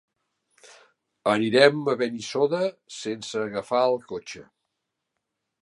Anirem a Benissoda sense agafar el cotxe.